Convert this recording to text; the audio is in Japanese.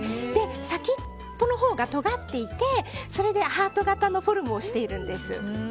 先っぽのほうがとがっていてそれでハート形のフォルムをしているんです。